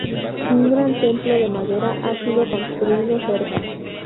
Un gran templo de madera ha sido construido cerca.